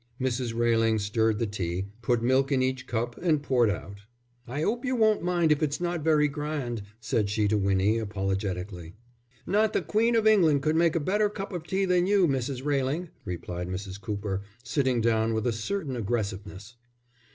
Mrs. Railing stirred the tea, put milk in each cup, and poured out. "I 'ope you won't mind if it's not very grand," said she to Winnie, apologetically. "Not the Queen of England could make a better cup of tea than you, Mrs. Railing," replied Mrs. Cooper, sitting down with a certain aggressiveness.